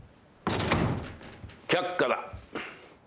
却下だ。